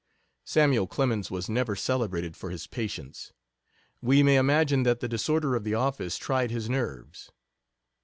Samuel Clemens was never celebrated for his patience; we may imagine that the disorder of the office tried his nerves.